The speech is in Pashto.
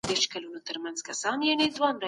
خلګو وويل چي ستاسو نظام زموږ لپاره غوره دی.